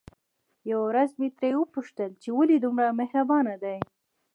يوه ورځ مې ترې وپوښتل چې ولې دومره مهربانه دي؟